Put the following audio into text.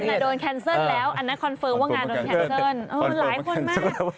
งานนะโดนแคนซัลลละอันนั้นคอนเฟิร์มว่างานโดนแคนซัลล